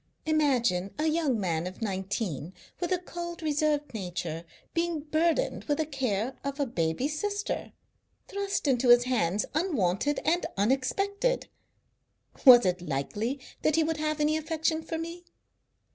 Imagine a young man of nineteen, with a cold, reserved nature, being burdened with the care of a baby sister, thrust into his hands unwanted and unexpected. Was it likely that he would have any affection for me?